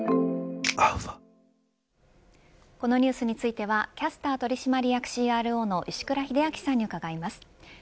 このニュースについてはキャスター取締役ＣＲＯの石倉秀明さんに伺います。